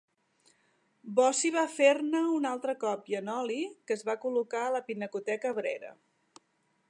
Bossi va fer-ne una altra còpia en oli, que es va col·locar a la Pinacoteca Brera.